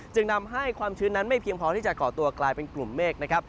จึงนำให้ความชื้นนั้นไม่เพียงพอที่จะก่อตัวกลายเป็นกลุ่มเมฆนะครับ